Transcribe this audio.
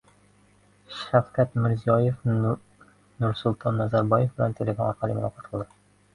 Shavkat Mirziyoyev Nursulton Nazarboyev bilan telefon orqali muloqot qildi